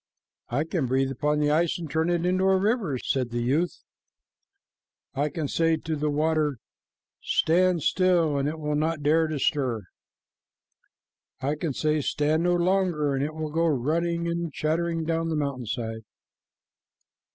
"I can breathe upon the ice and turn it to a river," said the youth. "I can say to water, 'Stand still,' and it will not dare to stir." "I can say, 'Stand no longer,' and it will go running and chattering down the mountain side."